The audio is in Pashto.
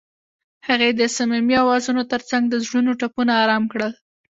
هغې د صمیمي اوازونو ترڅنګ د زړونو ټپونه آرام کړل.